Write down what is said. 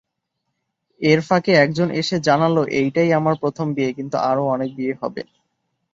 এর ফাঁকে একজন এসে জানাল, এইটাই আমার প্রথম বিয়ে৷ কিন্তু আরো অনেক বিয়ে হবে।